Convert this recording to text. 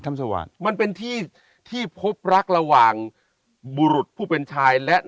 สวรรค์มันเป็นที่ที่พบรักระหว่างบุรุษผู้เป็นชายและ